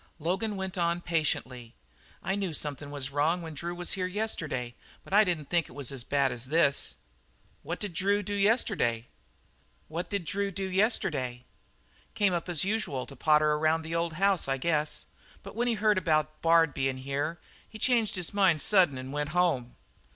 Logan went on patiently: "I knew something was wrong when Drew was here yesterday but I didn't think it was as bad as this." "What did Drew do yesterday?" "Came up as usual to potter around the old house, I guess, but when he heard about Bard bein' here he changed his mind sudden and went home."